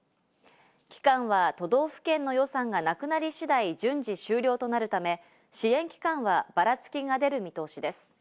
期間は都道府県の予算がなくなり次第順次終了となるため、支援期間はばらつきが出る見通しです。